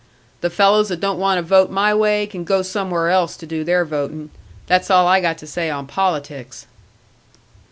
"The fellows that don't want to vote my way can go somewhere else to do their voting. That's all I got to say on politics!"